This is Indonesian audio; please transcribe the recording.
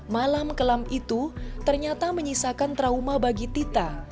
malam kelam itu ternyata menyisakan trauma bagi tita